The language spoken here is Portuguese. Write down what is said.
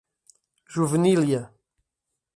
Juvenília